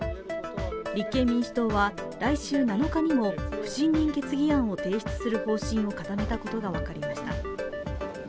立憲民主党は来週７日にも不信任決議案を提出する方針を固めたことが分かりました。